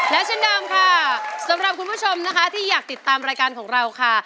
และเช่นเดิมค่ะสำหรับคุณผู้ชมนะคะที่อยากติดตามรายการของเราค่ะ